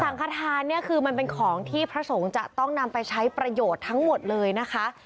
ขทานเนี่ยคือมันเป็นของที่พระสงฆ์จะต้องนำไปใช้ประโยชน์ทั้งหมดเลยนะคะ